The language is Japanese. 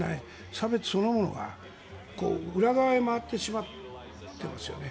差別そのものが裏側へ回ってしまっていますよね。